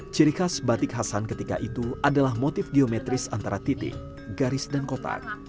ciri khas batik khasan ketika itu adalah motif geometris antara titik garis dan kotak